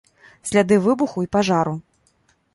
Сляды выбуху і пажару.